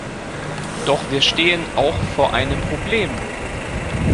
Doch wir stehen auch vor einem Problem.